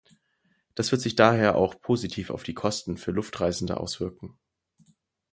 Das wird sich daher auch positiv auf die Kosten für Luftreisende auswirken.